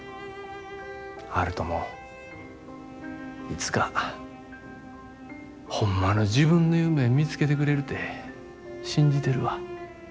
悠人もいつかホンマの自分の夢見つけてくれるて信じてるわ。